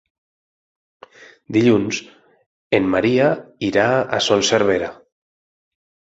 Dilluns en Maria irà a Son Servera.